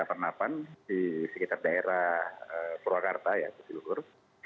pernapan di sekitar daerah purwakarta ya jatiluhur